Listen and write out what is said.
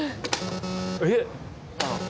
「」えっ？